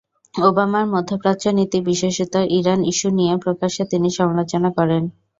ওবামার মধ্যপ্রাচ্য নীতি বিশেষত ইরান ইস্যু নিয়ে প্রকাশ্যে তিনি সমালোচনা করেন।